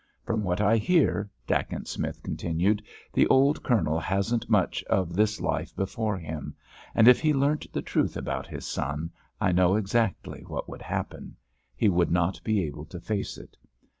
From what I hear," Dacent Smith continued, "the old Colonel hasn't much of this life before him, and if he learnt the truth about his son I know exactly what would happen. He would not be able to face it.